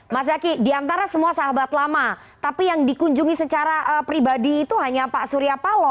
mas zaky di antara semua sahabat lama tapi yang dikunjungi secara pribadi itu hanya pak suryapalo